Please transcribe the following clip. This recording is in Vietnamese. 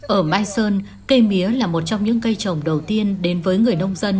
ở mai sơn cây mía là một trong những cây trồng đầu tiên đến với người nông dân